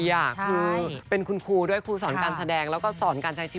แต่ว่าต้องใช้สติ